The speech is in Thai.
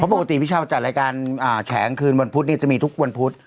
ปกติพี่เช้าจัดรายการแฉงคืนวันพุธจะมีทุกวันพุธ